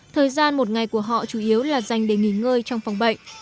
thời gian một ngày của họ chủ yếu là dành để nghỉ ngơi trong phòng bệnh